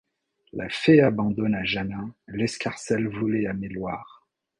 La fée abandonne à Jeannin l'escarcelle volée à Méloir.